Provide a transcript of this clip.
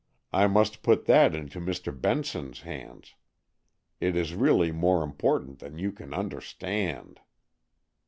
I must put that into Mr. Benson's hands. It is really more important than you can understand."